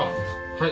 はい。